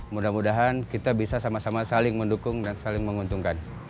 mudah mudahan kita bisa sama sama saling mendukung dan saling menguntungkan